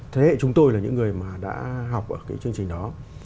thế hệ chúng tôi là những người mà đã học ở cái chương trình đó